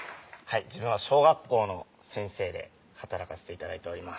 自分は小学校の先生で働かせて頂いております